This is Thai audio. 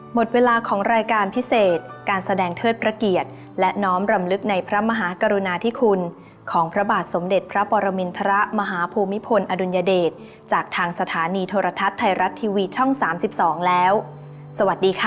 หมดเวลาของรายการพิเศษการแสดงเทิดพระเกียรติและน้อมรำลึกในพระมหากรุณาธิคุณของพระบาทสมเด็จพระปรมินทรมาฮภูมิพลอดุลยเดชจากทางสถานีโทรทัศน์ไทยรัฐทีวีช่องสามสิบสองแล้วสวัสดีค่ะ